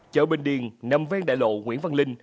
chợ bình điền nằm ven đại lộ nguyễn văn linh